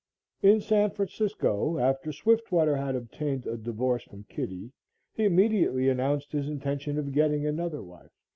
In San Francisco, after Swiftwater had obtained a divorce from Kitty, he immediately announced his intention of getting another wife.